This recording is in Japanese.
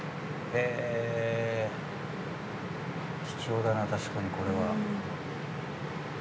貴重だな、確かにこれは。